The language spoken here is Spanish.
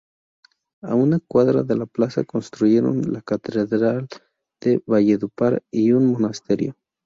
A una cuadra de la plaza construyeron la catedral de Valledupar y un monasterio.